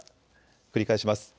繰り返します。